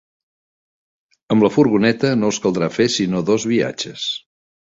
Amb la furgoneta, no us caldrà fer sinó dos viatges.